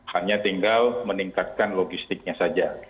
hanya tinggal meningkatkan logistiknya saja